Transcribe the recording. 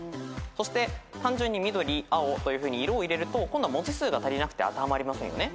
そして単純に緑青というふうに色を入れると今度は文字数が足りなくて当てはまりませんよね。